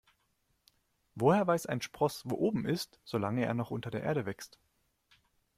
Woher weiß ein Spross, wo oben ist, solange er noch unter der Erde wächst?